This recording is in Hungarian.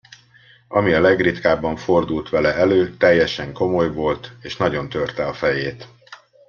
Ami a legritkábban fordult vele elő, teljesen komoly volt, és nagyon törte a fejét.